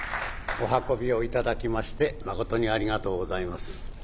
お運びを頂きましてまことにありがとうございます。